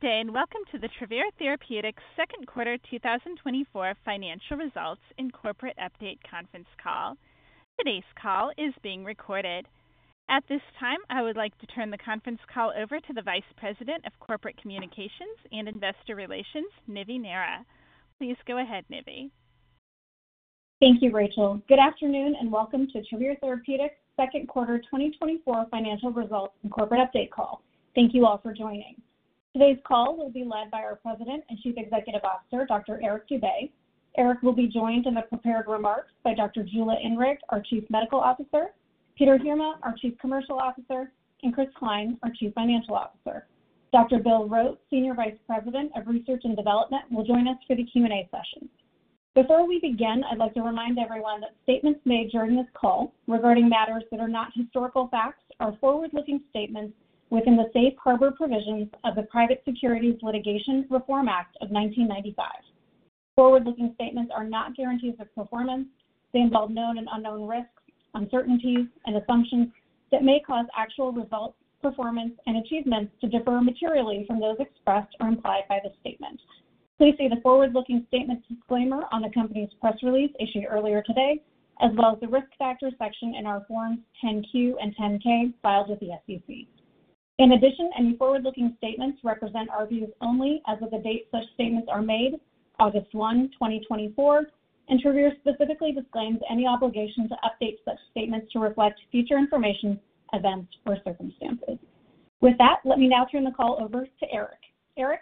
Good day, and welcome to the Travere Therapeutics second quarter 2024 financial results and corporate update conference call. Today's call is being recorded. At this time, I would like to turn the conference call over to the Vice President of Corporate Communications and Investor Relations, Nivi Nehra. Please go ahead, Nivi. Thank you, Rachel. Good afternoon, and welcome to Travere Therapeutics second quarter 2024 financial results and corporate update call. Thank you all for joining. Today's call will be led by our President and Chief Executive Officer, Dr. Eric Dube. Eric will be joined in the prepared remarks by Dr. Jula Inrig, our Chief Medical Officer, Peter Heerma, our Chief Commercial Officer, and Chris Cline, our Chief Financial Officer. Dr. Bill Rote, Senior Vice President of Research and Development, will join us for the Q&A session. Before we begin, I'd like to remind everyone that statements made during this call regarding matters that are not historical facts are forward-looking statements within the Safe Harbor Provisions of the Private Securities Litigation Reform Act of 1995. Forward-looking statements are not guarantees of performance. They involve known and unknown risks, uncertainties, and assumptions that may cause actual results, performance, and achievements to differ materially from those expressed or implied by the statement. Please see the forward-looking statement disclaimer on the company's press release issued earlier today, as well as the risk factor section in our Form 10-Q and 10-K filed with the SEC. In addition, any forward-looking statements represent our views only, as of the date such statements are made, August 1, 2024, and Travere specifically disclaims any obligation to update such statements to reflect future information, events, or circumstances. With that, let me now turn the call over to Eric. Eric.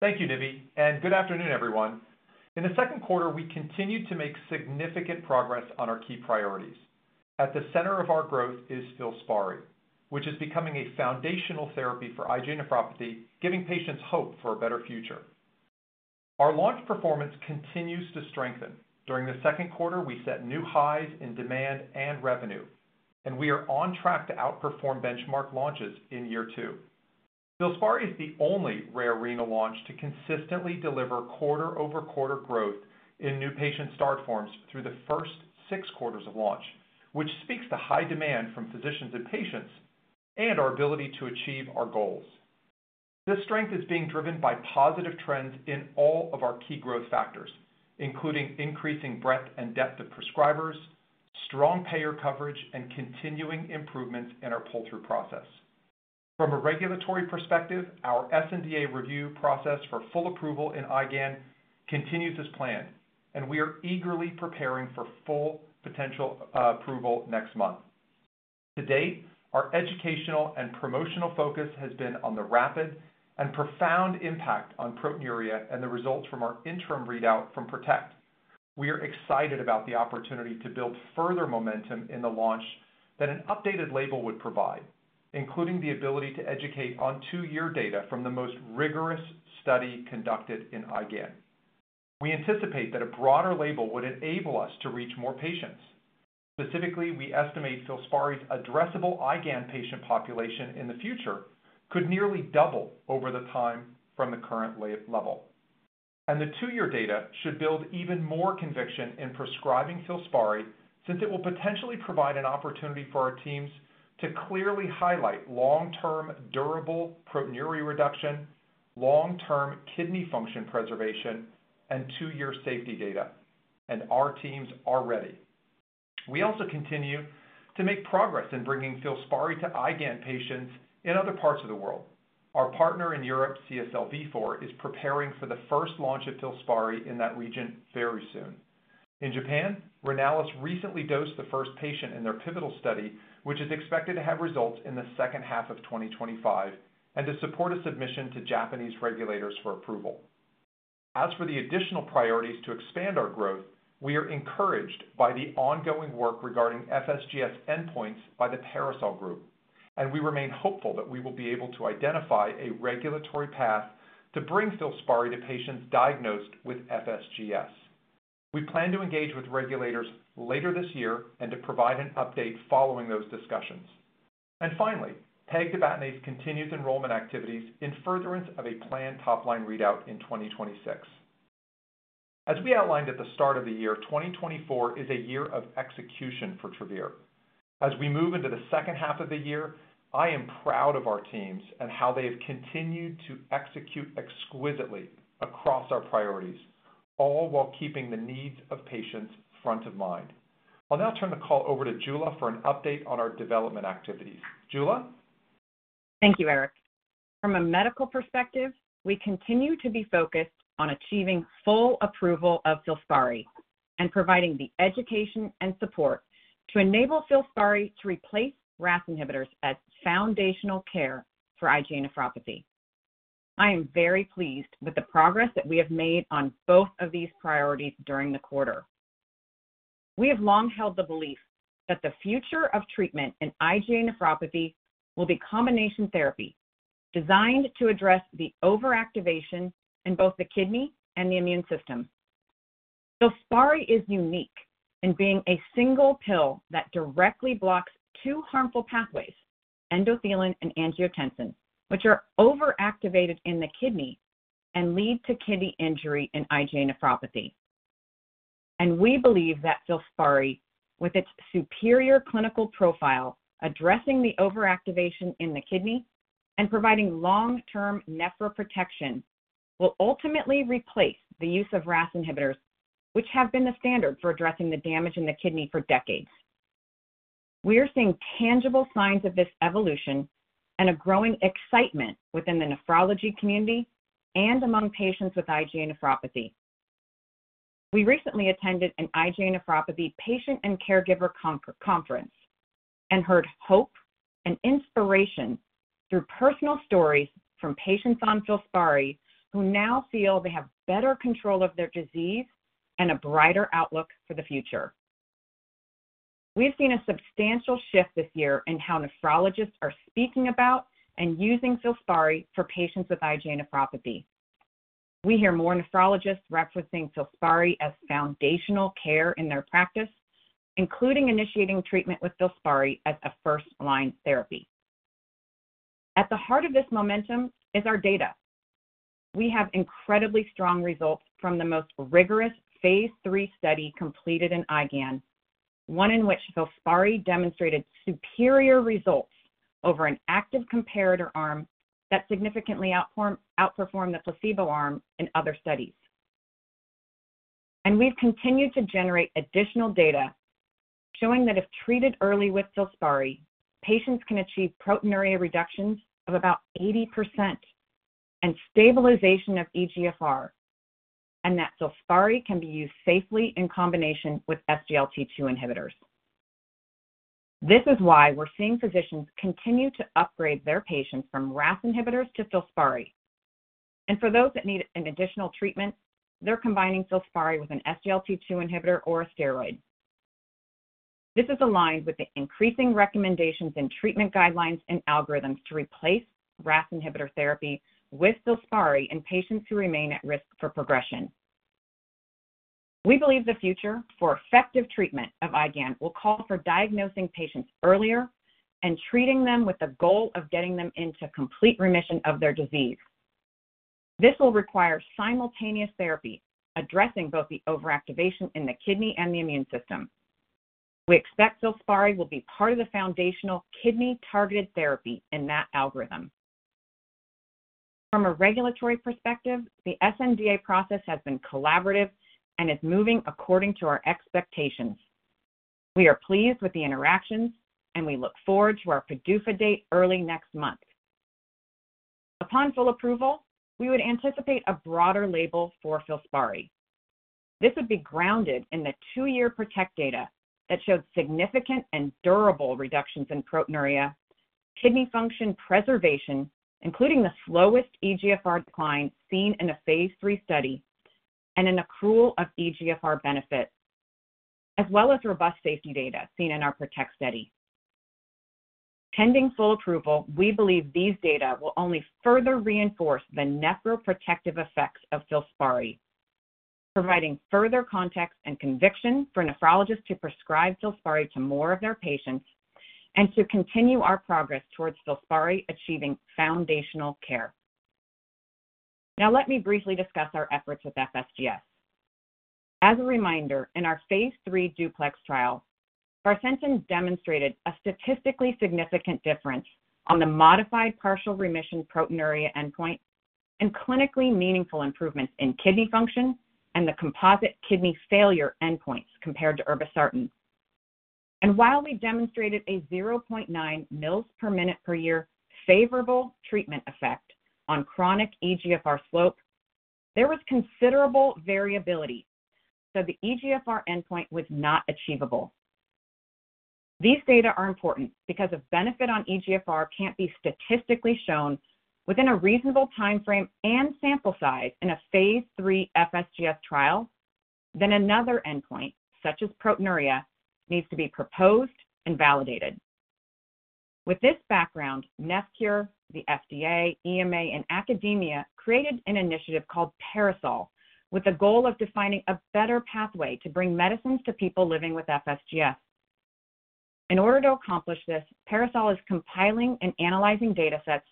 Thank you, Nivi, and good afternoon, everyone. In the second quarter, we continued to make significant progress on our key priorities. At the center of our growth is FILSPARI, which is becoming a foundational therapy for IgA nephropathy, giving patients hope for a better future. Our launch performance continues to strengthen. During the second quarter, we set new highs in demand and revenue, and we are on track to outperform benchmark launches in year two. FILSPARI is the only rare-renal launch to consistently deliver quarter-over-quarter growth in new patient start forms through the first six quarters of launch, which speaks to high demand from physicians and patients and our ability to achieve our goals. This strength is being driven by positive trends in all of our key growth factors, including increasing breadth and depth of prescribers, strong payer coverage, and continuing improvements in our pull-through process. From a regulatory perspective, our SNDA review process for full approval in IGAN continues as planned, and we are eagerly preparing for full potential approval next month. To date, our educational and promotional focus has been on the rapid and profound impact on proteinuria and the results from our interim readout from PROTECT. We are excited about the opportunity to build further momentum in the launch that an updated label would provide, including the ability to educate on two-year data from the most rigorous study conducted in IGAN. We anticipate that a broader label would enable us to reach more patients. Specifically, we estimate FILSPARI's addressable IGAN patient population in the future could nearly double over the time from the current level. And the two-year data should build even more conviction in prescribing FILSPARI, since it will potentially provide an opportunity for our teams to clearly highlight long-term durable proteinuria reduction, long-term kidney function preservation, and two-year safety data. And our teams are ready. We also continue to make progress in bringing FILSPARI to IGAN patients in other parts of the world. Our partner in Europe, CSL Vifor, is preparing for the first launch of FILSPARI in that region very soon. In Japan, Renalys recently dosed the first patient in their pivotal study, which is expected to have results in the second half of 2025, and to support a submission to Japanese regulators for approval. As for the additional priorities to expand our growth, we are encouraged by the ongoing work regarding FSGS endpoints by the Parasol Group, and we remain hopeful that we will be able to identify a regulatory path to bring FILSPARI to patients diagnosed with FSGS. We plan to engage with regulators later this year and to provide an update following those discussions. And finally, pegtibatinase continues enrollment activities in furtherance of a planned top-line readout in 2026. As we outlined at the start of the year, 2024 is a year of execution for Travere. As we move into the second half of the year, I am proud of our teams and how they have continued to execute exquisitely across our priorities, all while keeping the needs of patients front of mind. I'll now turn the call over to Jula for an update on our development activities. Jula? Thank you, Eric. From a medical perspective, we continue to be focused on achieving full approval of FILSPARI and providing the education and support to enable FILSPARI to replace RAS inhibitors as foundational care for IgA nephropathy. I am very pleased with the progress that we have made on both of these priorities during the quarter. We have long held the belief that the future of treatment in IgA nephropathy will be combination therapy designed to address the overactivation in both the kidney and the immune system. FILSPARI is unique in being a single pill that directly blocks two harmful pathways, endothelin and angiotensin, which are overactivated in the kidney and lead to kidney injury in IgA nephropathy. We believe that FILSPARI, with its superior clinical profile addressing the overactivation in the kidney and providing long-term nephroprotection, will ultimately replace the use of RAS inhibitors, which have been the standard for addressing the damage in the kidney for decades. We are seeing tangible signs of this evolution and a growing excitement within the nephrology community and among patients with IgA nephropathy. We recently attended an IgA nephropathy patient and caregiver conference and heard hope and inspiration through personal stories from patients on FILSPARI who now feel they have better control of their disease and a brighter outlook for the future. We have seen a substantial shift this year in how nephrologists are speaking about and using FILSPARI for patients with IgA nephropathy. We hear more nephrologists referencing FILSPARI as foundational care in their practice, including initiating treatment with FILSPARI as a first-line therapy. At the heart of this momentum is our data. We have incredibly strong results from the most rigorous phase III study completed in IGAN, one in which FILSPARI demonstrated superior results over an active comparator arm that significantly outperformed the placebo arm in other studies. And we've continued to generate additional data showing that if treated early with FILSPARI, patients can achieve proteinuria reductions of about 80% and stabilization of eGFR, and that FILSPARI can be used safely in combination with SGLT2 inhibitors. This is why we're seeing physicians continue to upgrade their patients from RAS inhibitors to FILSPARI. And for those that need an additional treatment, they're combining FILSPARI with an SGLT2 inhibitor or a steroid. This is aligned with the increasing recommendations in treatment guidelines and algorithms to replace RAS inhibitor therapy with FILSPARI in patients who remain at risk for progression. We believe the future for effective treatment of IGAN will call for diagnosing patients earlier and treating them with the goal of getting them into complete remission of their disease. This will require simultaneous therapy addressing both the overactivation in the kidney and the immune system. We expect FILSPARI will be part of the foundational kidney-targeted therapy in that algorithm. From a regulatory perspective, the SNDA process has been collaborative and is moving according to our expectations. We are pleased with the interactions, and we look forward to our PDUFA date early next month. Upon full approval, we would anticipate a broader label for FILSPARI. This would be grounded in the two-year PROTECT data that showed significant and durable reductions in proteinuria, kidney function preservation, including the slowest eGFR decline seen in a phase III study, and an accrual of eGFR benefit, as well as robust safety data seen in our PROTECT study. Pending full approval, we believe these data will only further reinforce the nephroprotective effects of FILSPARI, providing further context and conviction for nephrologists to prescribe FILSPARI to more of their patients and to continue our progress towards FILSPARI achieving foundational care. Now, let me briefly discuss our efforts with FSGS. As a reminder, in our phase III Duplex trial, sparsentan demonstrated a statistically significant difference on the modified partial remission proteinuria endpoint and clinically meaningful improvements in kidney function and the composite kidney failure endpoints compared to irbesartan. While we demonstrated a 0.9 mL/min per year favorable treatment effect on chronic eGFR slope, there was considerable variability, so the eGFR endpoint was not achievable. These data are important because if benefit on eGFR can't be statistically shown within a reasonable timeframe and sample size in a phase III FSGS trial, then another endpoint, such as proteinuria, needs to be proposed and validated. With this background, NephCure, the FDA, EMA, and academia created an initiative called Parasol with the goal of defining a better pathway to bring medicines to people living with FSGS. In order to accomplish this, Parasol is compiling and analyzing data sets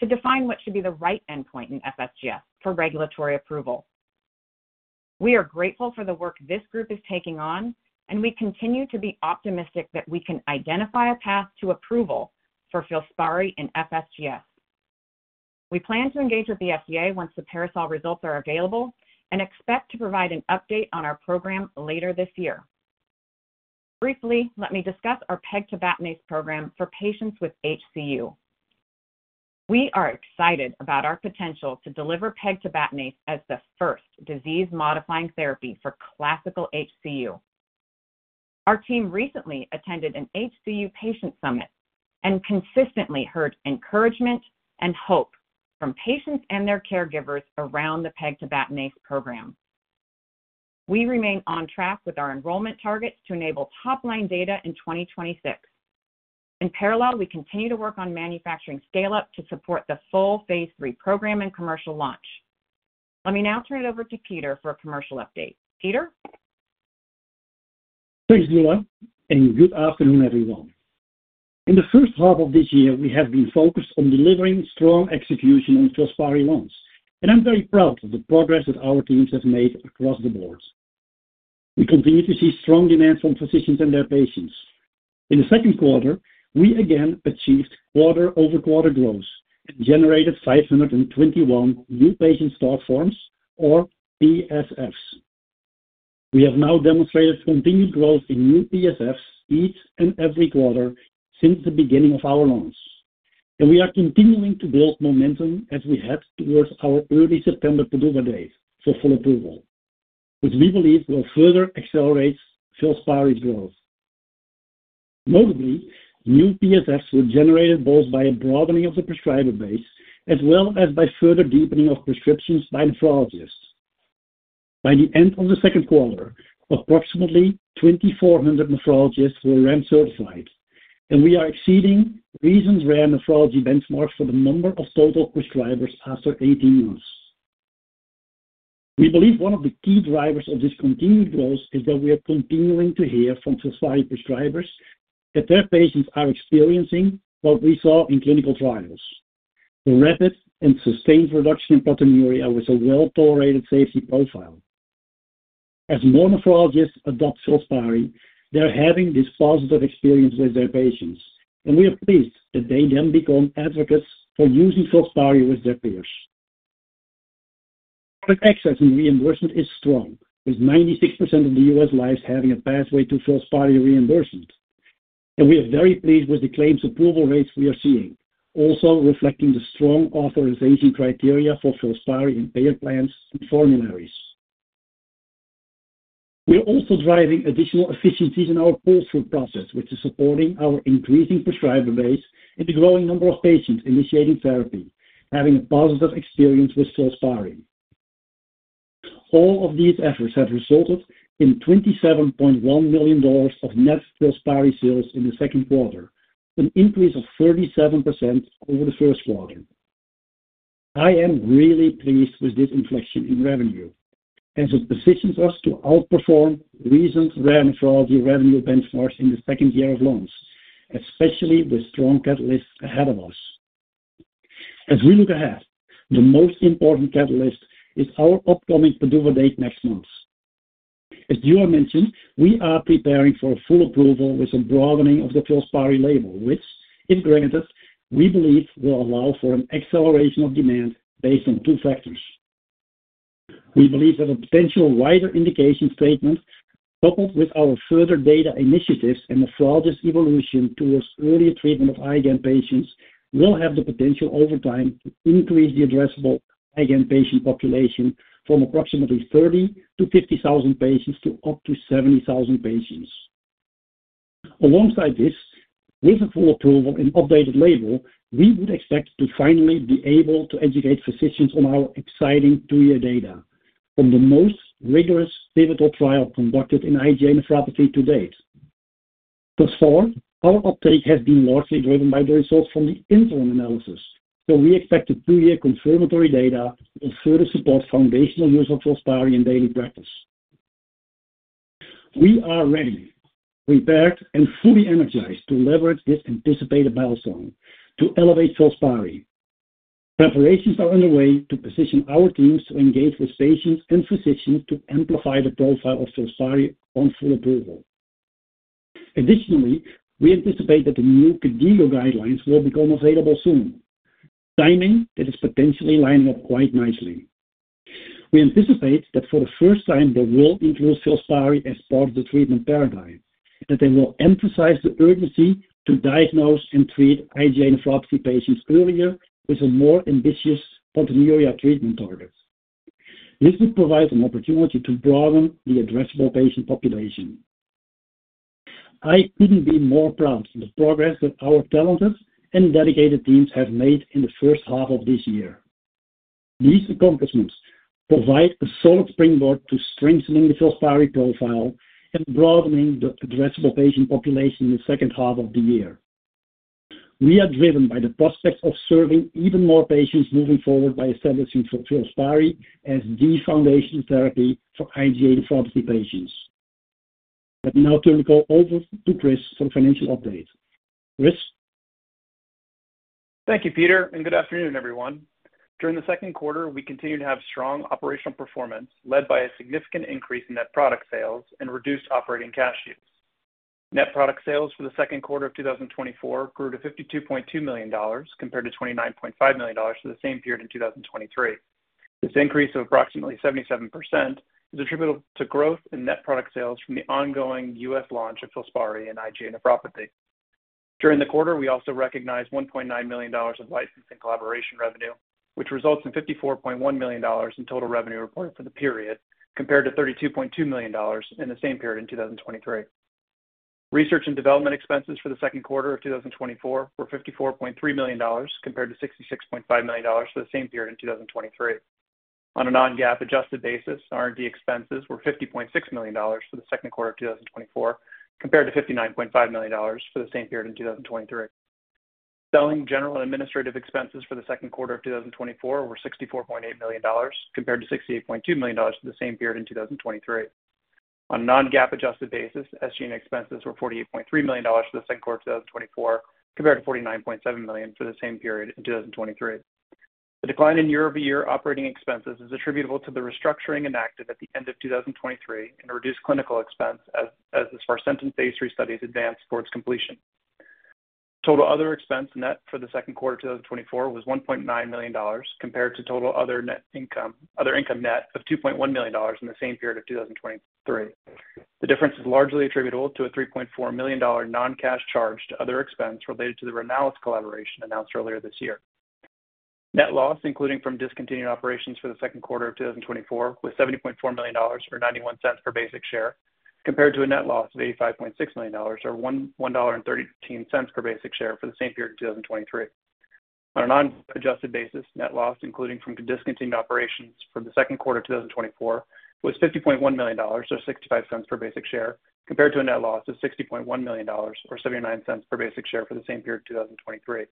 to define what should be the right endpoint in FSGS for regulatory approval. We are grateful for the work this group is taking on, and we continue to be optimistic that we can identify a path to approval for FILSPARI in FSGS. We plan to engage with the FDA once the Parasol results are available and expect to provide an update on our program later this year. Briefly, let me discuss our pegtibatinase program for patients with HCU. We are excited about our potential to deliver pegtibatinase as the first disease-modifying therapy for classical HCU. Our team recently attended an HCU patient summit and consistently heard encouragement and hope from patients and their caregivers around the pegtibatinase program. We remain on track with our enrollment targets to enable top-line data in 2026. In parallel, we continue to work on manufacturing scale-up to support the full phase III program and commercial launch. Let me now turn it over to Peter for a commercial update. Peter? Thanks, Jula, and good afternoon, everyone. In the first half of this year, we have been focused on delivering strong execution on FILSPARI launch, and I'm very proud of the progress that our teams have made across the board. We continue to see strong demand from physicians and their patients. In the second quarter, we again achieved quarter-over-quarter growth and generated 521 new patient start forms, or PSFs. We have now demonstrated continued growth in new PSFs each and every quarter since the beginning of our launch, and we are continuing to build momentum as we head towards our early September PDUFA date for full approval, which we believe will further accelerate FILSPARI's growth. Notably, new PSFs were generated both by a broadening of the prescriber base as well as by further deepening of prescriptions by nephrologists. By the end of the second quarter, approximately 2,400 nephrologists were REMS certified, and we are exceeding recent RAN nephrology benchmarks for the number of total prescribers after 18 months. We believe one of the key drivers of this continued growth is that we are continuing to hear from FILSPARI prescribers that their patients are experiencing what we saw in clinical trials: a rapid and sustained reduction in proteinuria with a well-tolerated safety profile. As more nephrologists adopt FILSPARI, they're having this positive experience with their patients, and we are pleased that they then become advocates for using FILSPARI with their peers. Public access and reimbursement is strong, with 96% of the U.S. lives having a pathway to FILSPARI reimbursement, and we are very pleased with the claims approval rates we are seeing, also reflecting the strong authorization criteria for FILSPARI and payer plans and formularies. We are also driving additional efficiencies in our pull-through process, which is supporting our increasing prescriber base and the growing number of patients initiating therapy having a positive experience with FILSPARI. All of these efforts have resulted in $27.1 million of net FILSPARI sales in the second quarter, an increase of 37% over the first quarter. I am really pleased with this inflection in revenue, as it positions us to outperform recent rare nephrology revenue benchmarks in the second year of launch, especially with strong catalysts ahead of us. As we look ahead, the most important catalyst is our upcoming PDUFA date next month. As Jula mentioned, we are preparing for full approval with a broadening of the FILSPARI label, which, if granted, we believe will allow for an acceleration of demand based on two factors. We believe that a potential wider indication statement, coupled with our further data initiatives and nephrologist evolution towards earlier treatment of IGAN patients, will have the potential over time to increase the addressable IGAN patient population from approximately 30,000 patients to 50,000 patients to up to 70,000 patients. Alongside this, with full approval and updated label, we would expect to finally be able to educate physicians on our exciting two-year data from the most rigorous pivotal trial conducted in IgA nephropathy to date. Thus far, our uptake has been largely driven by the results from the interim analysis, so we expect the two-year confirmatory data will further support foundational use of FILSPARI in daily practice. We are ready, prepared, and fully energized to leverage this anticipated milestone to elevate FILSPARI. Preparations are underway to position our teams to engage with patients and physicians to amplify the profile of FILSPARI on full approval. Additionally, we anticipate that the new KDIGO guidelines will become available soon, a timing that is potentially lining up quite nicely. We anticipate that for the first time, they will include FILSPARI as part of the treatment paradigm, that they will emphasize the urgency to diagnose and treat IgA nephropathy patients earlier with more ambitious proteinuria treatment targets. This would provide an opportunity to broaden the addressable patient population. I couldn't be more proud of the progress that our talented and dedicated teams have made in the first half of this year. These accomplishments provide a solid springboard to strengthening the FILSPARI profile and broadening the addressable patient population in the second half of the year. We are driven by the prospect of serving even more patients moving forward by establishing FILSPARI as the foundational therapy for IgA nephropathy patients. Let me now turn the call over to Chris for the financial update. Chris? Thank you, Peter, and good afternoon, everyone. During the second quarter, we continued to have strong operational performance led by a significant increase in net product sales and reduced operating cash use. Net product sales for the second quarter of 2024 grew to $52.2 million compared to $29.5 million for the same period in 2023. This increase of approximately 77% is attributable to growth in net product sales from the ongoing U.S. launch of FILSPARI in IgA nephropathy. During the quarter, we also recognized $1.9 million of licensing collaboration revenue, which results in $54.1 million in total revenue reported for the period compared to $32.2 million in the same period in 2023. Research and development expenses for the second quarter of 2024 were $54.3 million compared to $66.5 million for the same period in 2023. On a non-GAAP adjusted basis, R&D expenses were $50.6 million for the second quarter of 2024 compared to $59.5 million for the same period in 2023. Selling general and administrative expenses for the second quarter of 2024 were $64.8 million compared to $68.2 million for the same period in 2023. On a non-GAAP adjusted basis, SG&A expenses were $48.3 million for the second quarter of 2024 compared to $49.7 million for the same period in 2023. The decline in year-over-year operating expenses is attributable to the restructuring enacted at the end of 2023 and reduced clinical expense as the sparsentan phase III studies advanced towards completion. Total other expense net for the second quarter of 2024 was $1.9 million compared to total other income net of $2.1 million in the same period of 2023. The difference is largely attributable to a $3.4 million non-cash charge to other expense related to the Renalys collaboration announced earlier this year. Net loss, including from discontinued operations for the second quarter of 2024, was $70.4 million or $0.91 per basic share compared to a net loss of $85.6 million or $1.13 per basic share for the same period in 2023. On a non-adjusted basis, net loss, including from discontinued operations for the second quarter of 2024, was $50.1 million or $0.65 per basic share compared to a net loss of $60.1 million or $0.79 per basic share for the same period in 2023.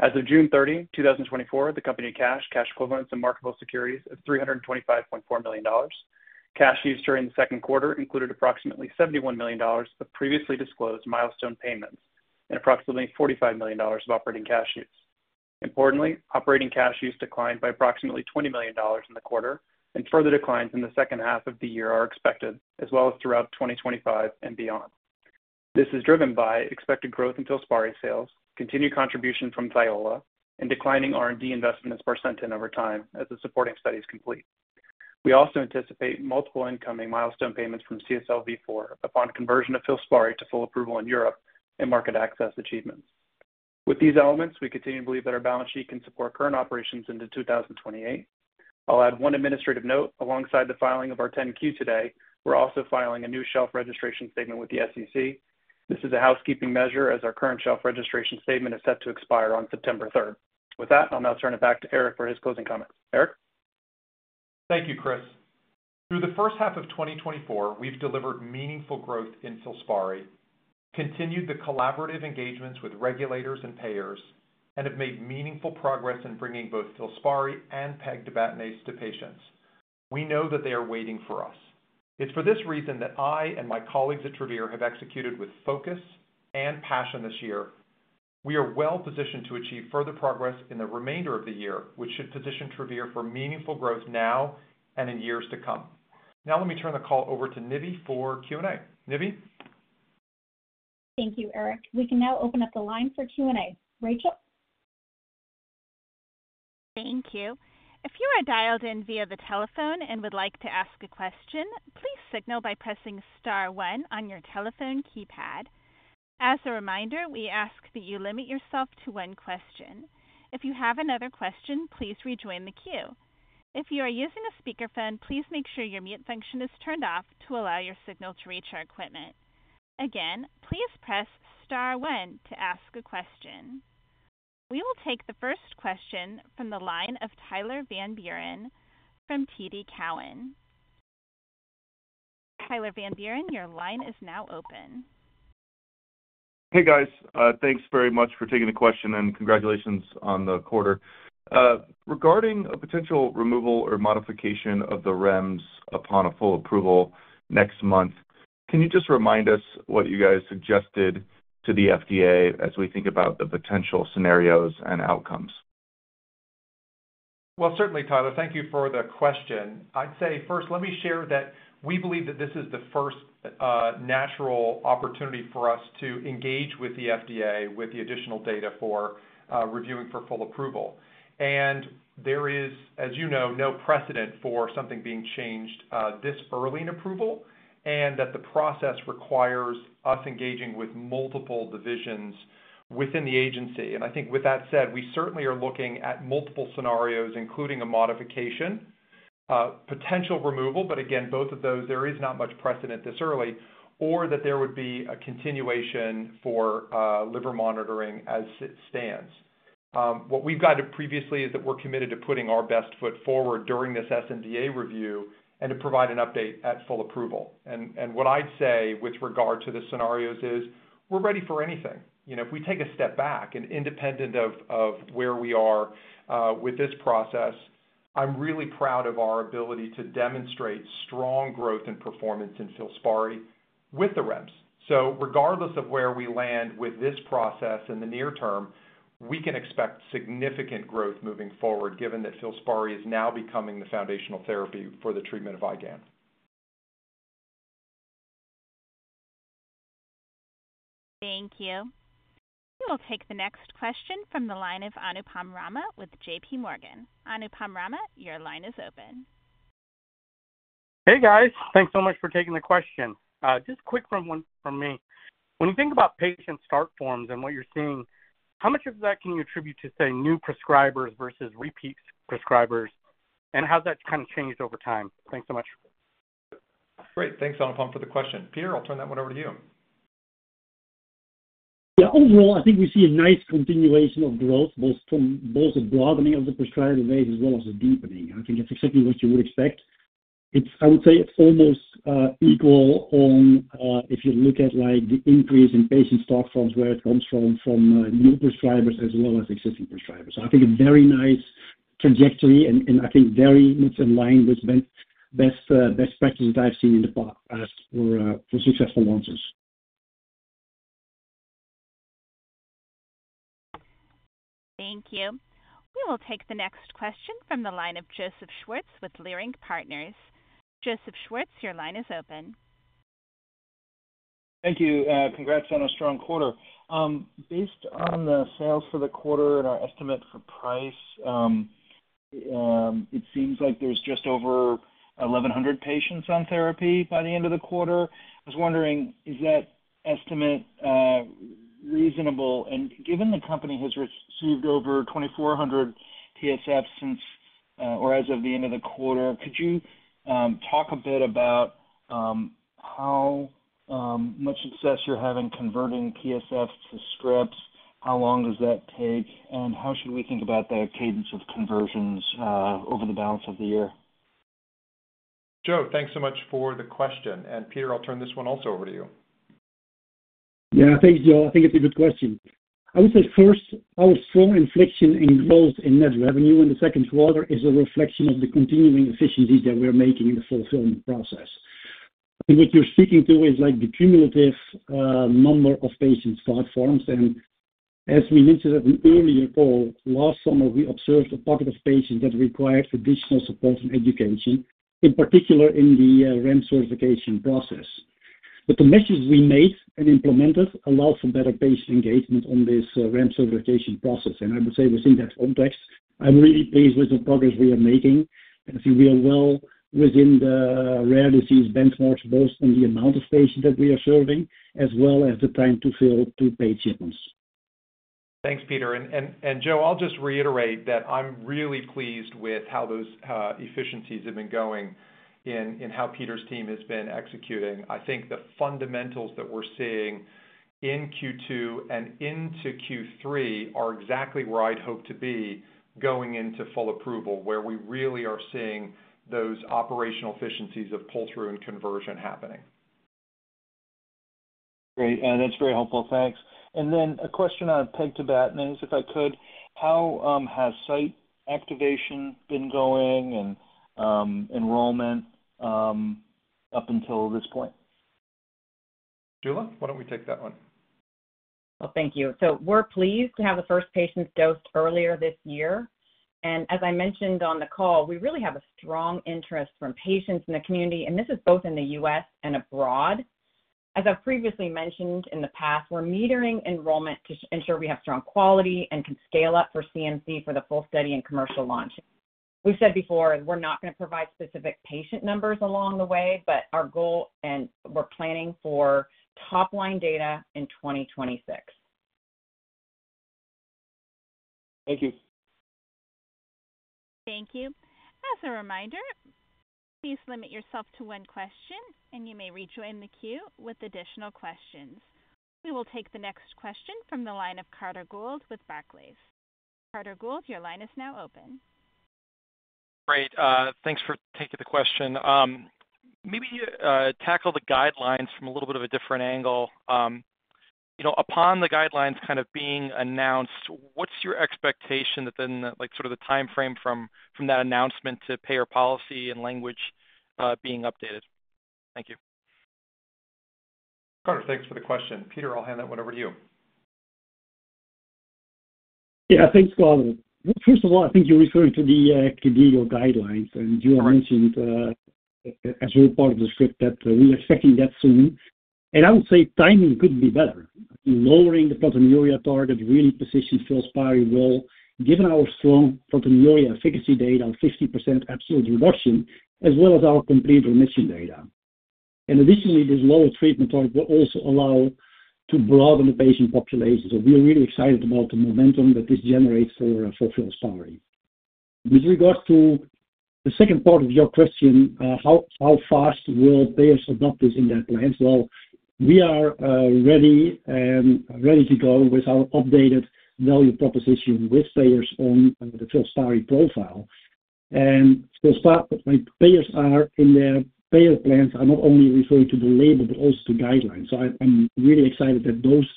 As of June 30, 2024, the company had cash, cash equivalents, and marketable securities of $325.4 million. Cash used during the second quarter included approximately $71 million of previously disclosed milestone payments and approximately $45 million of operating cash use. Importantly, operating cash use declined by approximately $20 million in the quarter and further declines in the second half of the year are expected, as well as throughout 2025 and beyond. This is driven by expected growth in FILSPARI sales, continued contribution from Thiola, and declining R&D investment in sparsentan over time as the supporting studies complete. We also anticipate multiple incoming milestone payments from CSL Vifor upon conversion of FILSPARI to full approval in Europe and market access achievements. With these elements, we continue to believe that our balance sheet can support current operations into 2028. I'll add one administrative note. Alongside the filing of our 10Q today, we're also filing a new shelf registration statement with the SEC. This is a housekeeping measure as our current shelf registration statement is set to expire on September 3rd. With that, I'll now turn it back to Eric for his closing comments. Eric? Thank you, Chris. Through the first half of 2024, we've delivered meaningful growth in FILSPARI, continued the collaborative engagements with regulators and payers, and have made meaningful progress in bringing both FILSPARI and pegtibatinase to patients. We know that they are waiting for us. It's for this reason that I and my colleagues at Travere have executed with focus and passion this year. We are well positioned to achieve further progress in the remainder of the year, which should position Travere for meaningful growth now and in years to come. Now, let me turn the call over to Nivi for Q&A. Nivi? Thank you, Eric. We can now open up the line for Q&A. Rachel? Thank you. If you are dialed in via the telephone and would like to ask a question, please signal by pressing star one on your telephone keypad. As a reminder, we ask that you limit yourself to one question. If you have another question, please rejoin the queue. If you are using a speakerphone, please make sure your mute function is turned off to allow your signal to reach our equipment. Again, please press star one to ask a question. We will take the first question from the line of Tyler Van Buren from TD Cowen. Tyler Van Buren, your line is now open. Hey, guys. Thanks very much for taking the question and congratulations on the quarter. Regarding a potential removal or modification of the REMS upon a full approval next month, can you just remind us what you guys suggested to the FDA as we think about the potential scenarios and outcomes? Well, certainly, Tyler. Thank you for the question. I'd say first, let me share that we believe that this is the first natural opportunity for us to engage with the FDA with the additional data for reviewing for full approval. There is, as you know, no precedent for something being changed this early in approval and that the process requires us engaging with multiple divisions within the agency. I think with that said, we certainly are looking at multiple scenarios, including a modification, potential removal, but again, both of those, there is not much precedent this early, or that there would be a continuation for liver monitoring as it stands. What we've gotten previously is that we're committed to putting our best foot forward during this SNDA review and to provide an update at full approval. What I'd say with regard to the scenarios is we're ready for anything. If we take a step back and independent of where we are with this process, I'm really proud of our ability to demonstrate strong growth and performance in FILSPARI with the REMS. Regardless of where we land with this process in the near term, we can expect significant growth moving forward given that FILSPARI is now becoming the foundational therapy for the treatment of IGAN. Thank you. We will take the next question from the line of Anupam Rama with JPMorgan. Anupam Rama, your line is open. Hey, guys. Thanks so much for taking the question. Just a quick one from me. When you think about patient start forms and what you're seeing, how much of that can you attribute to, say, new prescribers versus repeat prescribers, and how's that kind of changed over time? Thanks so much. Great. Thanks, Anupam, for the question. Peter, I'll turn that one over to you. Yeah. Overall, I think we see a nice continuation of growth, both the broadening of the prescriber base as well as the deepening. I think it's exactly what you would expect. I would say it's almost equal on if you look at the increase in patient start forms where it comes from, from new prescribers as well as existing prescribers. So I think a very nice trajectory and I think very much in line with best practices that I've seen in the past for successful launches. Thank you. We will take the next question from the line of Joseph Schwartz with Leerink Partners. Joseph Schwartz, your line is open. Thank you. Congrats on a strong quarter. Based on the sales for the quarter and our estimate for price, it seems like there's just over 1,100 patients on therapy by the end of the quarter. I was wondering, is that estimate reasonable? And given the company has received over 2,400 PSFs since or as of the end of the quarter, could you talk a bit about how much success you're having converting PSFs to scripts? How long does that take? And how should we think about the cadence of conversions over the balance of the year? Joe, thanks so much for the question. Peter, I'll turn this one also over to you. Yeah. Thanks, Joe. I think it's a good question. I would say first, our strong inflection in growth in net revenue in the second quarter is a reflection of the continuing efficiencies that we're making in the fulfillment process. I think what you're speaking to is the cumulative number of patient start forms. And as we mentioned at an earlier call, last summer, we observed a pocket of patients that required additional support and education, in particular in the REMS certification process. But the message we made and implemented allows for better patient engagement on this REMS certification process. And I would say within that context, I'm really pleased with the progress we are making. I think we are well within the rare disease benchmarks, both on the amount of patients that we are serving as well as the time to fill two-page shipments. Thanks, Peter. And Joe, I'll just reiterate that I'm really pleased with how those efficiencies have been going in how Peter's team has been executing. I think the fundamentals that we're seeing in Q2 and into Q3 are exactly where I'd hope to be going into full approval, where we really are seeing those operational efficiencies of pull-through and conversion happening. Great. That's very helpful. Thanks. And then a question on pegtibatinase, if I could. How has site activation been going and enrollment up until this point? Jula, why don't we take that one? Well, thank you. So we're pleased to have the first patients dosed earlier this year. And as I mentioned on the call, we really have a strong interest from patients in the community. And this is both in the U.S. and abroad. As I've previously mentioned in the past, we're metering enrollment to ensure we have strong quality and can scale up for CMC for the full study and commercial launch. We've said before we're not going to provide specific patient numbers along the way, but our goal and we're planning for top-line data in 2026. Thank you. Thank you. As a reminder, please limit yourself to one question, and you may rejoin the queue with additional questions. We will take the next question from the line of Carter Gould with Barclays. Carter Gould, your line is now open. Great. Thanks for taking the question. Maybe tackle the guidelines from a little bit of a different angle. Upon the guidelines kind of being announced, what's your expectation that then sort of the timeframe from that announcement to payer policy and language being updated? Thank you. Carter, thanks for the question. Peter, I'll hand that one over to you. Yeah. Thanks, Carter. First of all, I think you're referring to the KDIGO guidelines. And you have mentioned as you're part of the script that we're expecting that soon. And I would say timing could be better. Lowering the proteinuria target really positions FILSPARI well given our strong proteinuria efficacy data of 50% absolute reduction as well as our complete remission data. And additionally, this lower treatment target will also allow to broaden the patient population. So we are really excited about the momentum that this generates for FILSPARI. With regards to the second part of your question, how fast will payers adopt this in their plans? Well, we are ready and ready to go with our updated value proposition with payers on the FILSPARI profile. And payers are in their payer plans are not only referring to the label but also to guidelines. I'm really excited that those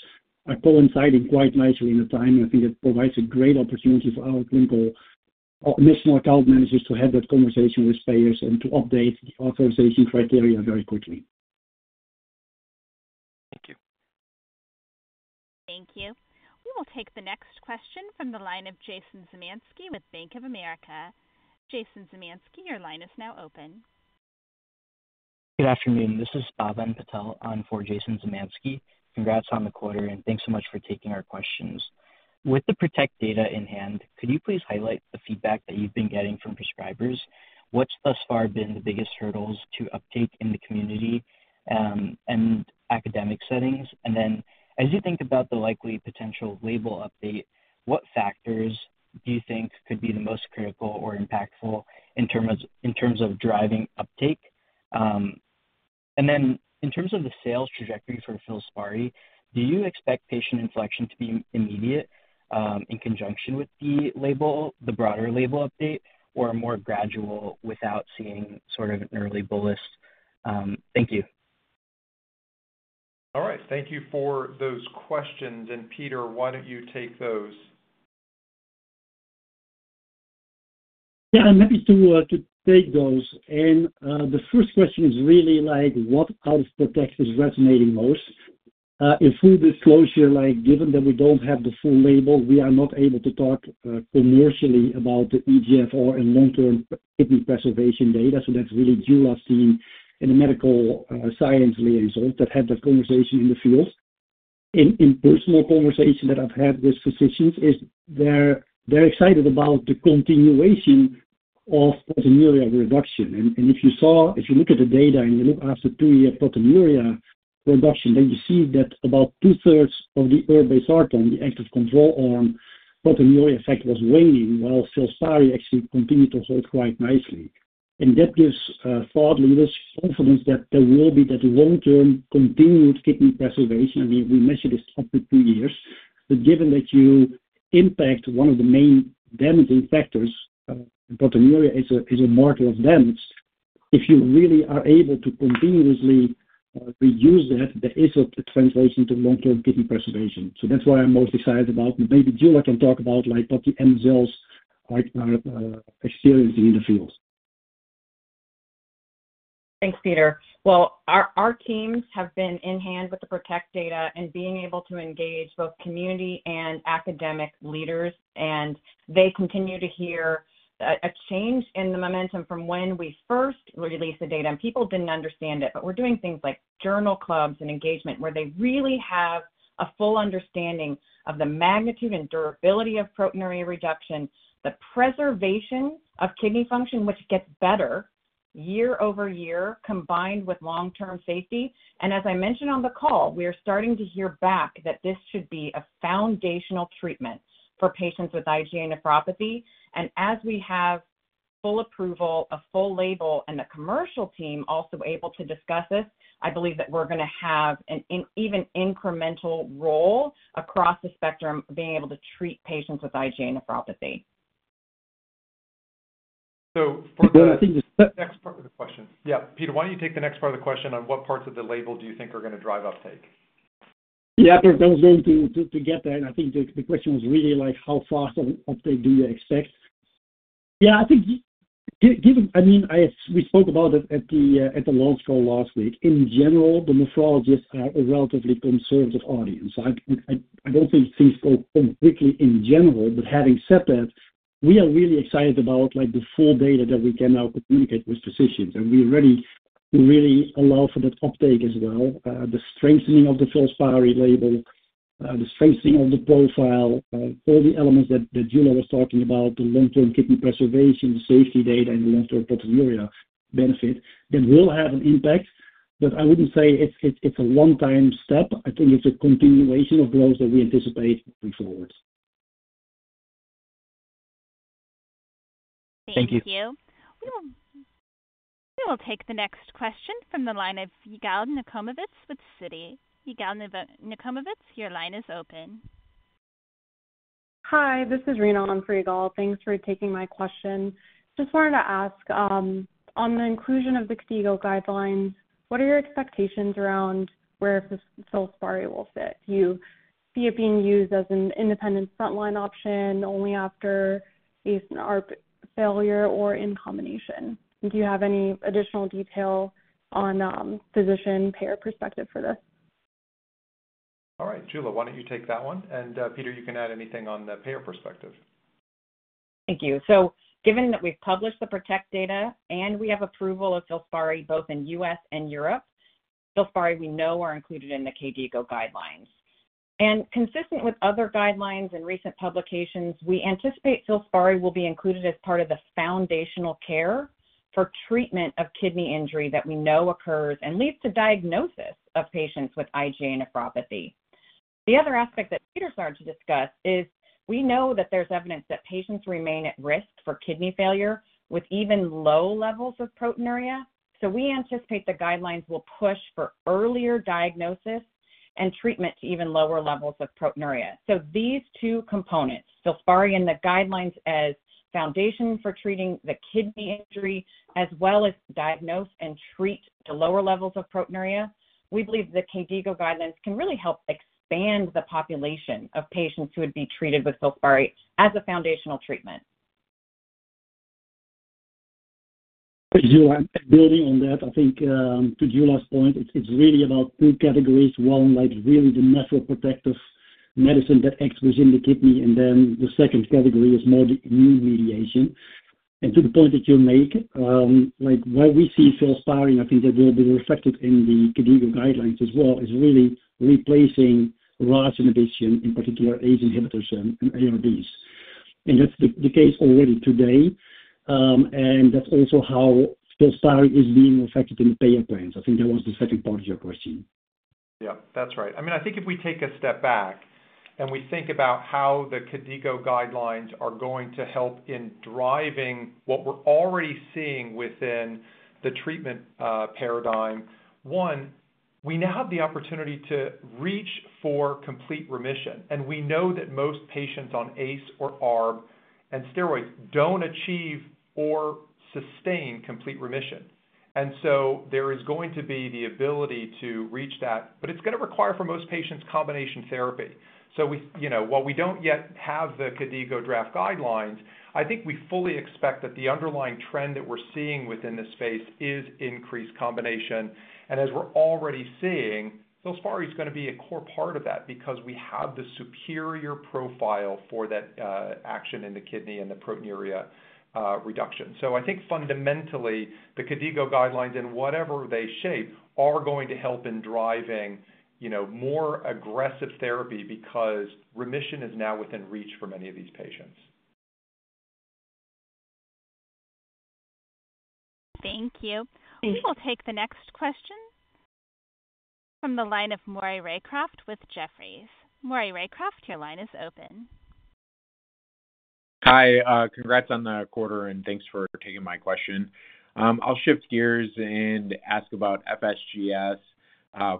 are coinciding quite nicely in the time. I think it provides a great opportunity for our clinical national account managers to have that conversation with payers and to update the authorization criteria very quickly. Thank you. Thank you. We will take the next question from the line of Jason Zemansky with Bank of America. Jason Zemanski, your line is now open. Good afternoon. This is Bhavan Patel on for Jason Zemanski. Congrats on the quarter, and thanks so much for taking our questions. With the PROTECT data in hand, could you please highlight the feedback that you've been getting from prescribers? What's thus far been the biggest hurdles to uptake in the community and academic settings? And then as you think about the likely potential label update, what factors do you think could be the most critical or impactful in terms of driving uptake? And then in terms of the sales trajectory for FILSPARI, do you expect patient inflection to be immediate in conjunction with the broader label update or more gradual without seeing sort of an early bullish? Thank you. All right. Thank you for those questions. Peter, why don't you take those? Yeah. I'm happy to take those. The first question is really what out of PROTECT is resonating most? In full disclosure, given that we don't have the full label, we are not able to talk commercially about the eGFR and long-term kidney preservation data. So that's really Jula's team and the medical science liaison that had that conversation in the field. In personal conversation that I've had with physicians, they're excited about the continuation of proteinuria reduction. And if you look at the data and you look after two years proteinuria reduction, then you see that about 2/3 of the irbesartan on the active control arm, proteinuria effect was waning while FILSPARI actually continued to hold quite nicely. And that gives thought leaders confidence that there will be that long-term continued kidney preservation. I mean, we measured this up to two years. But given that you impact one of the main damaging factors, proteinuria is a marker of damage. If you really are able to continuously reduce that, there is a translation to long-term kidney preservation. So that's why I'm most excited about. Maybe Jula can talk about what the MSLs are experiencing in the field. Thanks, Peter. Well, our teams have been in hand with the PROTECT data and being able to engage both community and academic leaders. And they continue to hear a change in the momentum from when we first released the data. And people didn't understand it, but we're doing things like journal clubs and engagement where they really have a full understanding of the magnitude and durability of proteinuria reduction, the preservation of kidney function, which gets better year-over-year combined with long-term safety. And as I mentioned on the call, we are starting to hear back that this should be a foundational treatment for patients with IgA nephropathy. And as we have full approval, a full label, and the commercial team also able to discuss this, I believe that we're going to have an even incremental role across the spectrum of being able to treat patients with IgA nephropathy. So for the next part of the question yeah, Peter, why don't you take the next part of the question on what parts of the label do you think are going to drive uptake? Yeah. I think I was going to get there. And I think the question was really how fast of uptake do you expect? Yeah. I think given I mean, we spoke about it at the launch call last week. In general, the nephrologists are a relatively conservative audience. I don't think things go quickly in general. But having said that, we are really excited about the full data that we can now communicate with physicians. And we're ready to really allow for that uptake as well. The strengthening of the FILSPARI label, the strengthening of the profile, all the elements that Jula was talking about, the long-term kidney preservation, the safety data, and the long-term proteinuria benefit, that will have an impact. But I wouldn't say it's a one-time step. I think it's a continuation of growth that we anticipate moving forward. Thank you. We will take the next question from the line of Yigal Nochomovitz with Citi. Yigal Nochomovitz, your line is open. Hi. This is Rena Anfrigal. Thanks for taking my question. Just wanted to ask, on the inclusion of the KDIGO guidelines, what are your expectations around where FILSPARI will fit? Do you see it being used as an independent frontline option only after a RAS failure or in combination? Do you have any additional detail on physician payer perspective for this? All right. Jula, why don't you take that one? And Peter, you can add anything on the payer perspective. Thank you. Given that we've published the PROTECT data and we have approval of FILSPARI both in U.S. and Europe, FILSPARI we know are included in the KDIGO guidelines. Consistent with other guidelines and recent publications, we anticipate FILSPARI will be included as part of the foundational care for treatment of kidney injury that we know occurs and leads to diagnosis of patients with IgA nephropathy. The other aspect that Peter started to discuss is we know that there's evidence that patients remain at risk for kidney failure with even low levels of proteinuria. So we anticipate the guidelines will push for earlier diagnosis and treatment to even lower levels of proteinuria. These two components, FILSPARI and the guidelines as foundation for treating the kidney injury as well as diagnose and treat the lower levels of proteinuria, we believe the KDIGO guidelines can really help expand the population of patients who would be treated with FILSPARI as a foundational treatment. Jula, building on that, I think to Jula's point, it's really about two categories. One, really the nephroprotective medicine that acts within the kidney. And then the second category is more the immune mediation. And to the point that you make, where we see FILSPARI, I think that will be reflected in the KDIGO guidelines as well, is really replacing RAS inhibition, in particular ACE inhibitors and ARBs. And that's the case already today. And that's also how FILSPARI is being reflected in the payer plans. I think that was the second part of your question. Yeah. That's right. I mean, I think if we take a step back and we think about how the KDIGO guidelines are going to help in driving what we're already seeing within the treatment paradigm, one, we now have the opportunity to reach for complete remission. And we know that most patients on ACE or ARB and steroids don't achieve or sustain complete remission. And so there is going to be the ability to reach that. But it's going to require for most patients combination therapy. So while we don't yet have the KDIGO draft guidelines, I think we fully expect that the underlying trend that we're seeing within this space is increased combination. And as we're already seeing, FILSPARI is going to be a core part of that because we have the superior profile for that action in the kidney and the proteinuria reduction. So I think fundamentally, the KDIGO guidelines in whatever they shape are going to help in driving more aggressive therapy because remission is now within reach for many of these patients. Thank you. We will take the next question from the line of Moira Raycroft with Jefferies. Moira Raycroft, your line is open. Hi. Congrats on the quarter, and thanks for taking my question. I'll shift gears and ask about FSGS.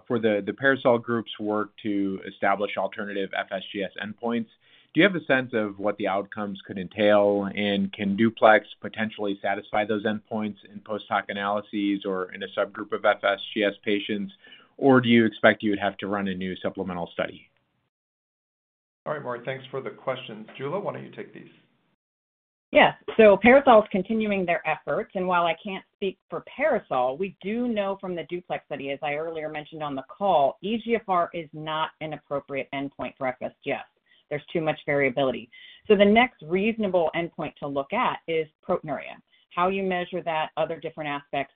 For the Parasol Group's work to establish alternative FSGS endpoints, do you have a sense of what the outcomes could entail and can Duplex potentially satisfy those endpoints in post-hoc analyses or in a subgroup of FSGS patients? Or do you expect you would have to run a new supplemental study? All right, Moira. Thanks for the questions. Jula, why don't you take these? Yeah. So Parasol is continuing their efforts. And while I can't speak for Parasol, we do know from the Duplex study, as I earlier mentioned on the call, eGFR is not an appropriate endpoint for FSGS. There's too much variability. So the next reasonable endpoint to look at is proteinuria. How you measure that, other different aspects.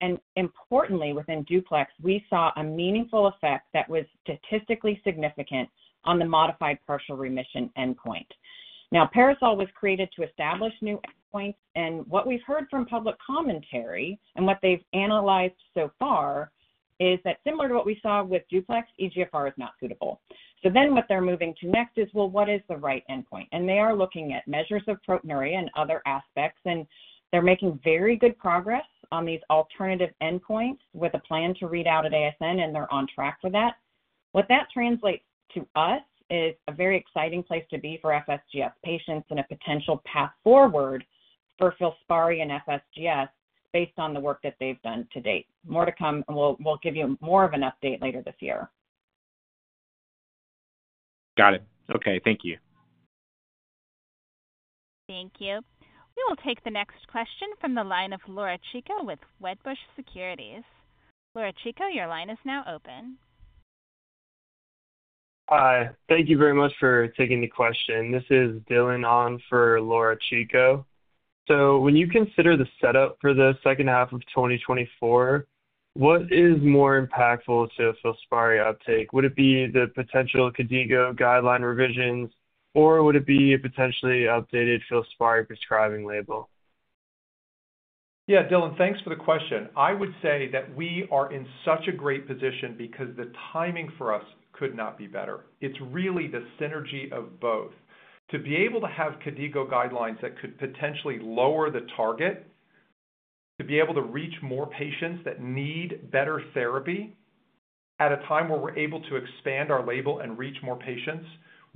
And importantly, within Duplex, we saw a meaningful effect that was statistically significant on the modified partial remission endpoint. Now, Parasol was created to establish new endpoints. And what we've heard from public commentary and what they've analyzed so far is that similar to what we saw with Duplex, eGFR is not suitable. So then what they're moving to next is, well, what is the right endpoint? And they are looking at measures of proteinuria and other aspects. They're making very good progress on these alternative endpoints with a plan to read out at ASN, and they're on track for that. What that translates to us is a very exciting place to be for FSGS patients and a potential path forward for FILSPARI and FSGS based on the work that they've done to date. More to come, and we'll give you more of an update later this year. Got it. Okay. Thank you. Thank you. We will take the next question from the line of Laura Chico with Wedbush Securities. Laura Chico, your line is now open. Hi. Thank you very much for taking the question. This is Dylan on for Laura Chico. When you consider the setup for the second half of 2024, what is more impactful to FILSPARI uptake? Would it be the potential KDIGO guideline revisions, or would it be a potentially updated FILSPARI prescribing label? Yeah, Dylan, thanks for the question. I would say that we are in such a great position because the timing for us could not be better. It's really the synergy of both. To be able to have KDIGO guidelines that could potentially lower the target, to be able to reach more patients that need better therapy at a time where we're able to expand our label and reach more patients,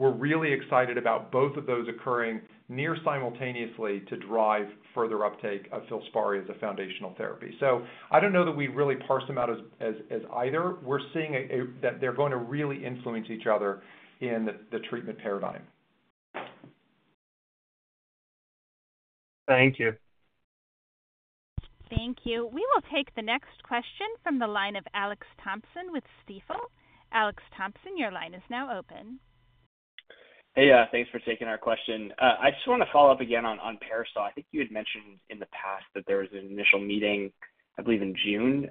we're really excited about both of those occurring nearly simultaneously to drive further uptake of FILSPARI as a foundational therapy. So I don't know that we really parse them out as either. We're seeing that they're going to really influence each other in the treatment paradigm. Thank you. Thank you. We will take the next question from the line of Alex Thompson with Stifel. Alex Thompson, your line is now open. Hey, thanks for taking our question. I just want to follow up again on Parasol. I think you had mentioned in the past that there was an initial meeting, I believe, in June.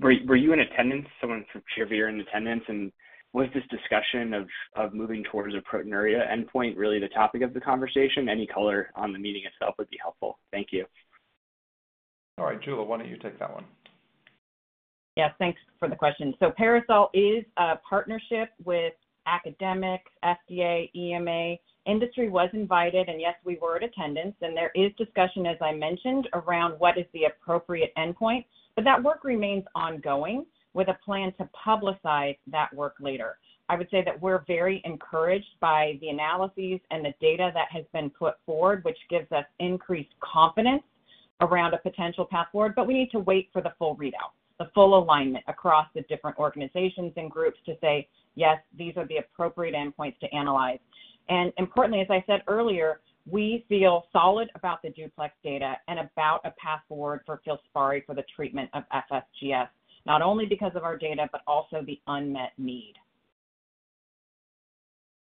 Were you in attendance? Someone from Vifor in attendance? And was this discussion of moving towards a proteinuria endpoint really the topic of the conversation? Any color on the meeting itself would be helpful. Thank you. All right. Jula, why don't you take that one? Yeah. Thanks for the question. So Parasol is a partnership with academics, FDA, EMA. Industry was invited, and yes, we were in attendance. And there is discussion, as I mentioned, around what is the appropriate endpoint. But that work remains ongoing with a plan to publicize that work later. I would say that we're very encouraged by the analyses and the data that has been put forward, which gives us increased confidence around a potential path forward. But we need to wait for the full readout, the full alignment across the different organizations and groups to say, "Yes, these are the appropriate endpoints to analyze." And importantly, as I said earlier, we feel solid about the duplex data and about a path forward for FILSPARI for the treatment of FSGS, not only because of our data but also the unmet need.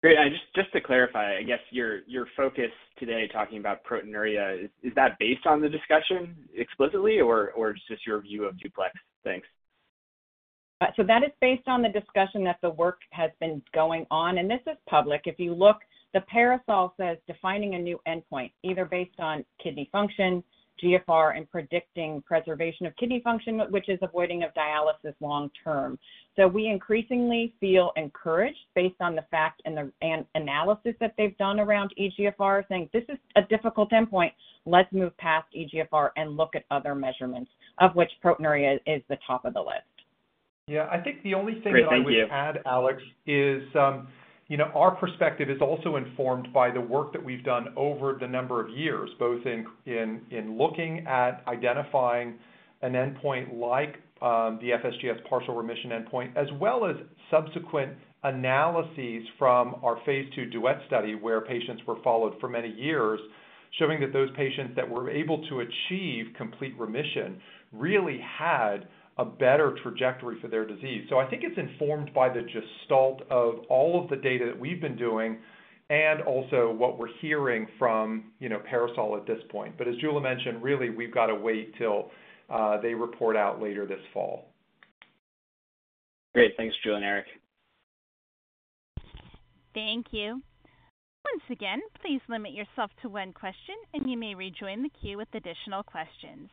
Great. And just to clarify, I guess your focus today talking about proteinuria, is that based on the discussion explicitly or just your view of Duplex? Thanks. So that is based on the discussion that the work has been going on. And this is public. If you look, the Parasol says defining a new endpoint either based on kidney function, GFR, and predicting preservation of kidney function, which is avoiding of dialysis long term. So we increasingly feel encouraged based on the fact and the analysis that they've done around eGFR, saying, "This is a difficult endpoint. Let's move past eGFR and look at other measurements," of which proteinuria is the top of the list. Yeah. I think the only thing that I would add, Alex, is our perspective is also informed by the work that we've done over the number of years, both in looking at identifying an endpoint like the FSGS partial remission endpoint as well as subsequent analyses from our phase II Duet study where patients were followed for many years, showing that those patients that were able to achieve complete remission really had a better trajectory for their disease. So I think it's informed by the gestalt of all of the data that we've been doing and also what we're hearing from Parasol at this point. But as Jula mentioned, really, we've got to wait till they report out later this fall. Great. Thanks, Jula and Eric. Thank you. Once again, please limit yourself to one question, and you may rejoin the queue with additional questions.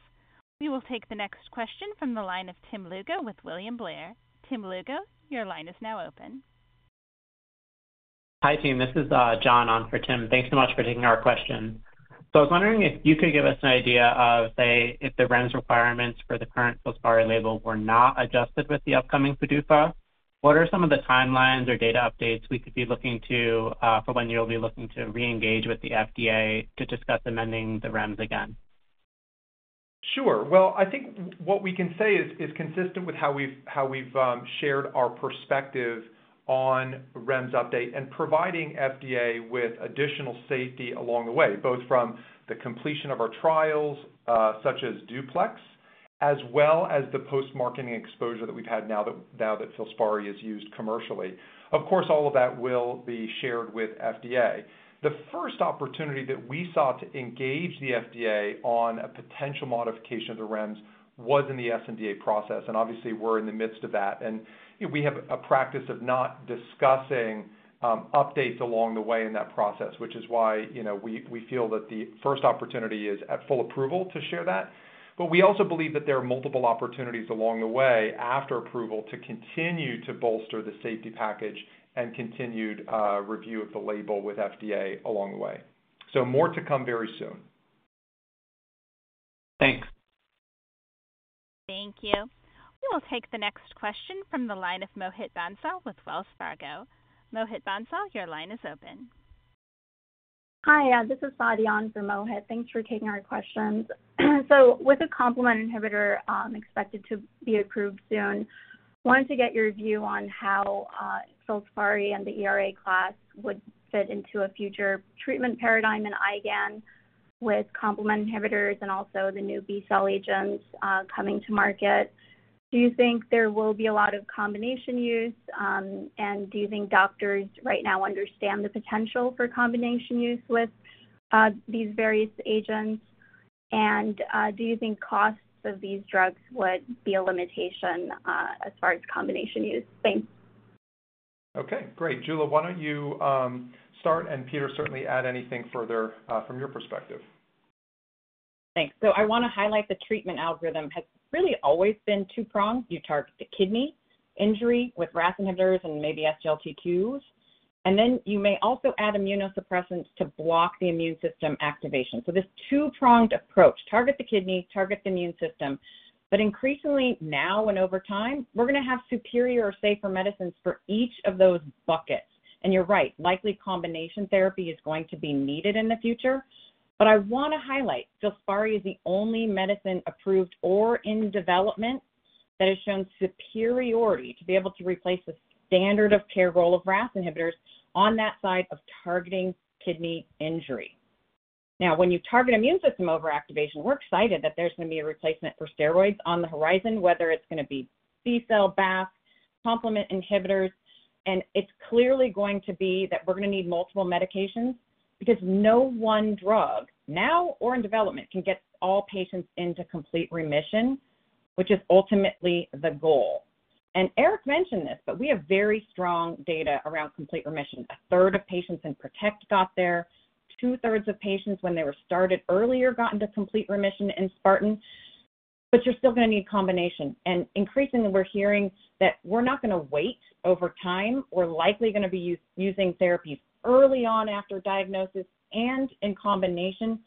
We will take the next question from the line of Tim Lugo with William Blair. Tim Lugo, your line is now open. Hi, team. This is John Ahn for Tim. Thanks so much for taking our question. So I was wondering if you could give us an idea of, say, if the REMS requirements for the current FILSPARI label were not adjusted with the upcoming PDUFA, what are some of the timelines or data updates we could be looking to for when you'll be looking to reengage with the FDA to discuss amending the REMS again? Sure. Well, I think what we can say is consistent with how we've shared our perspective on REMS update and providing FDA with additional safety along the way, both from the completion of our trials such as Duplex as well as the post-marketing exposure that we've had now that FILSPARI is used commercially. Of course, all of that will be shared with FDA. The first opportunity that we sought to engage the FDA on a potential modification of the REMS was in the SNDA process. And obviously, we're in the midst of that. And we have a practice of not discussing updates along the way in that process, which is why we feel that the first opportunity is at full approval to share that. But we also believe that there are multiple opportunities along the way after approval to continue to bolster the safety package and continued review of the label with FDA along the way. So more to come very soon. Thanks. Thank you. We will take the next question from the line of Mohit Bansal with Wells Fargo. Mohit Bansal, your line is open. Hi. This is Fadian from Mohit. Thanks for taking our questions. So with a complement inhibitor expected to be approved soon, wanted to get your view on how FILSPARI and the ERA class would fit into a future treatment paradigm in IgAN with complement inhibitors and also the new B-cell agents coming to market. Do you think there will be a lot of combination use? And do you think doctors right now understand the potential for combination use with these various agents? And do you think costs of these drugs would be a limitation as far as combination use? Thanks. Okay. Great. Jula, why don't you start and Peter certainly add anything further from your perspective? Thanks. So I want to highlight the treatment algorithm has really always been two-pronged. You target the kidney injury with RAS inhibitors and maybe SGLT2s. And then you may also add immunosuppressants to block the immune system activation. So this two-pronged approach, target the kidney, target the immune system. But increasingly now and over time, we're going to have superior or safer medicines for each of those buckets. And you're right, likely combination therapy is going to be needed in the future. But I want to highlight FILSPARI is the only medicine approved or in development that has shown superiority to be able to replace the standard of care role of RAS inhibitors on that side of targeting kidney injury. Now, when you target immune system overactivation, we're excited that there's going to be a replacement for steroids on the horizon, whether it's going to be B-cell, BAFF, complement inhibitors. It's clearly going to be that we're going to need multiple medications because no one drug now or in development can get all patients into complete remission, which is ultimately the goal. Eric mentioned this, but we have very strong data around complete remission. A third of patients in PROTECT got there. Two-thirds of patients when they were started earlier got into complete remission in Spartan. But you're still going to need combination. Increasingly, we're hearing that we're not going to wait over time. We're likely going to be using therapies early on after diagnosis and in combination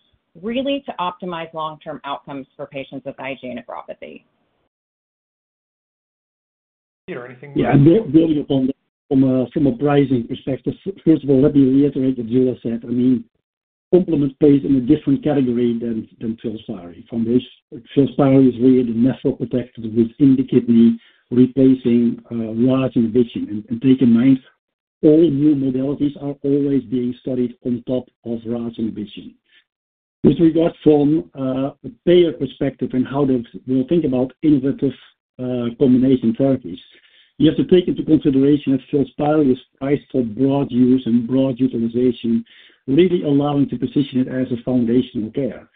really to optimize long-term outcomes for patients with IgA nephropathy. Peter, anything? Yeah. Building upon that from a pricing perspective, first of all, let me reiterate what Jula said. I mean, complement plays in a different category than FILSPARI. FILSPARI is really the nephroprotector within the kidney replacing RAAS inhibition. And keep in mind, all new modalities are always being studied on top of RAS inhibition. With regard to a payer perspective and how they will think about innovative combination therapies, you have to take into consideration that FILSPARI is priced for broad use and broad utilization, really allowing to position it as a foundational care.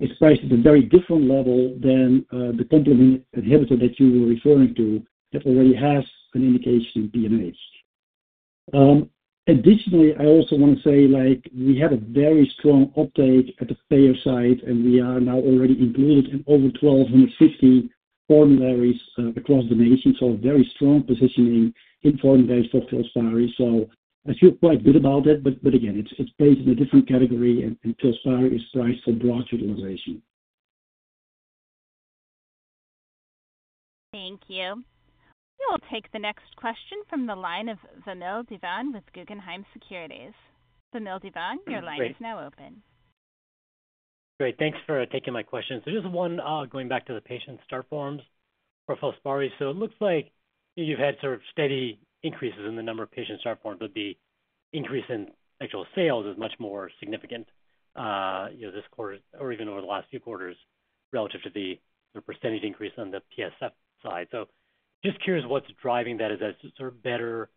It's priced at a very different level than the complement inhibitor that you were referring to that already has an indication in PNH. Additionally, I also want to say we have a very strong uptake at the payer side, and we are now already included in over 1,250 formularies across the nation. So a very strong positioning in formularies for FILSPARI. So I feel quite good about it. But again, it's placed in a different category, and FILSPARI is priced for broad utilization. Thank you. We will take the next question from the line of Vamil Divan with Guggenheim Securities. Vamil Divan, your line is now open. Great. Thanks for taking my questions. So just one going back to the patient start forms for FILSPARI. So it looks like you've had sort of steady increases in the number of patient start forms. The increase in actual sales is much more significant this quarter or even over the last few quarters relative to the percentage increase on the PSF side. So just curious what's driving that. Is that sort of better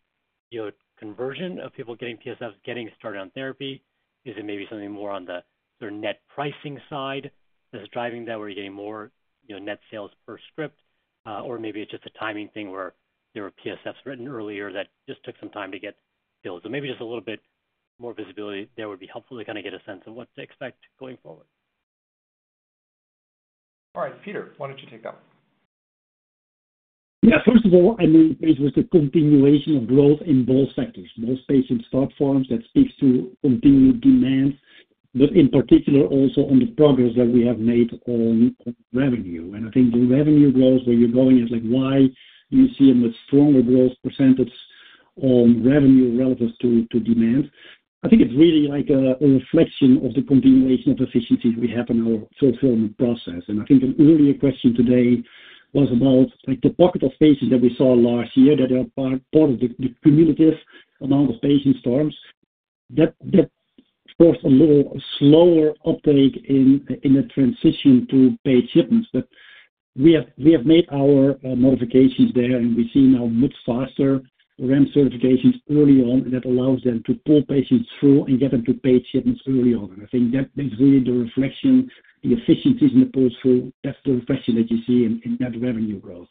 conversion of people getting PSFs, getting started on therapy? Is it maybe something more on the sort of net pricing side that's driving that where you're getting more net sales per script? Or maybe it's just a timing thing where there were PSFs written earlier that just took some time to get filled? So maybe just a little bit more visibility there would be helpful to kind of get a sense of what to expect going forward. All right. Peter, why don't you take that one? Yeah. First of all, I mean, there's the continuation of growth in both sectors, both patient start forms that speaks to continued demands, but in particular also on the progress that we have made on revenue. And I think the revenue growth where you're going is like, why do you see a much stronger growth percentage on revenue relative to demand? I think it's really like a reflection of the continuation of efficiencies we have in our fulfillment process. And I think an earlier question today was about the pocket of patients that we saw last year that are part of the cumulative amount of patient starts. That forced a little slower uptake in the transition to paid shipments. We have made our modifications there, and we've seen now much faster REMS certifications early on that allows them to pull patients through and get them to paid shipments early on. I think that is really the reflection, the efficiencies in the pull-through. That's the reflection that you see in that revenue growth.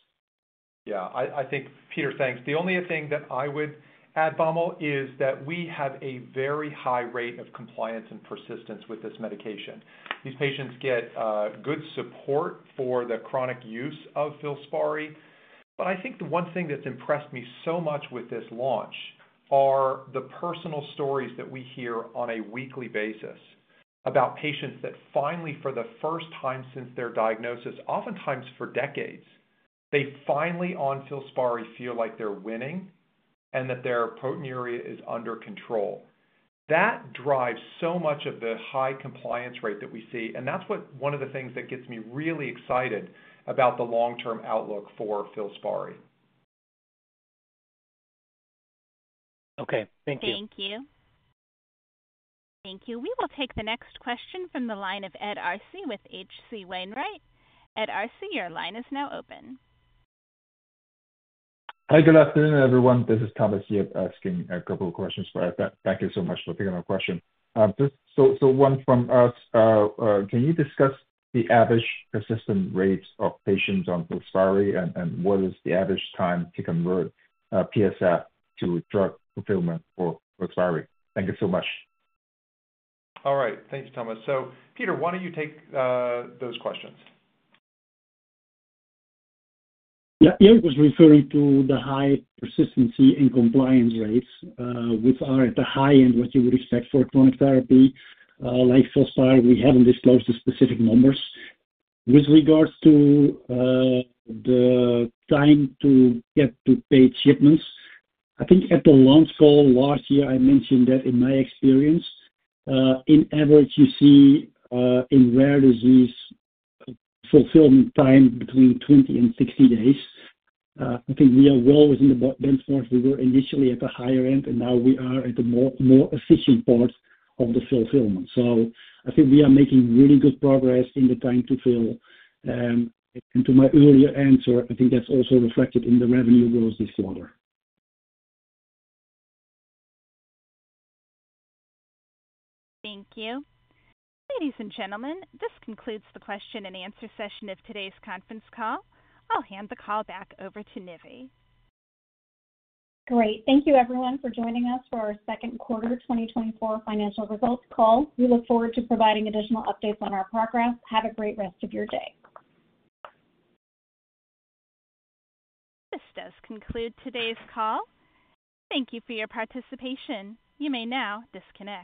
Yeah. I think, Peter, thanks. The only thing that I would add, Vamil, is that we have a very high rate of compliance and persistence with this medication. These patients get good support for the chronic use of FILSPARI. But I think the one thing that's impressed me so much with this launch are the personal stories that we hear on a weekly basis about patients that finally, for the first time since their diagnosis, oftentimes for decades, they finally on FILSPARI feel like they're winning and that their proteinuria is under control. That drives so much of the high compliance rate that we see. And that's one of the things that gets me really excited about the long-term outlook for FILSPARI. Okay. Thank you. Thank you. Thank you. We will take the next question from the line of Ed Arce with H.C. Wainwright. Ed Arce, your line is now open. Hi. Good afternoon, everyone. This is Thomas here asking a couple of questions. But thank you so much for taking my question. So one from us. Can you discuss the average persistence rates of patients on FILSPARI and what is the average time to convert PSF to drug fulfillment for FILSPARI? Thank you so much. All right. Thanks, Thomas. So Peter, why don't you take those questions? Yeah. Eric was referring to the high persistency and compliance rates which are at the high end what you would expect for chronic therapy. Like FILSPARI, we haven't disclosed the specific numbers. With regards to the time to get to paid shipments, I think at the launch call last year, I mentioned that in my experience, in average, you see in rare disease fulfillment time between 20 days and 60 days. I think we are well within the benchmark. We were initially at the higher end, and now we are at the more efficient part of the fulfillment. So I think we are making really good progress in the time to fill. And to my earlier answer, I think that's also reflected in the revenue growth this quarter. Thank you. Ladies and gentlemen, this concludes the question and answer session of today's conference call. I'll hand the call back over to Nivi. Great. Thank you, everyone, for joining us for our second quarter 2024 financial results call. We look forward to providing additional updates on our progress. Have a great rest of your day. This does conclude today's call. Thank you for your participation. You may now disconnect.